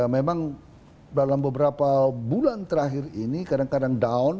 memang dalam beberapa bulan terakhir ini kadang kadang down